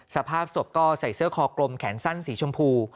สภาพศพก็ใส่เสื้อคอกลมแขนสั้นสีชมพู